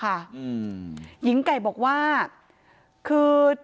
ทรัพย์สินที่เป็นของฝ่ายหญิง